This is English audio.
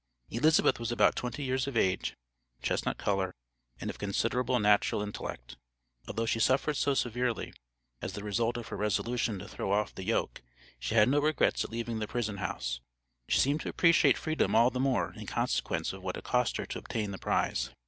Elizabeth was about twenty years of age, chestnut color, and of considerable natural intellect. Although she suffered so severely as the result of her resolution to throw off the yoke, she had no regrets at leaving the prison house; she seemed to appreciate freedom all the more in consequence of what it cost her to obtain the prize.